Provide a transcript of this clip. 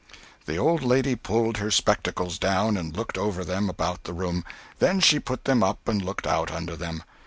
The old lady pulled her spectacles down and looked over them about the room; then she put them up and looked out under them.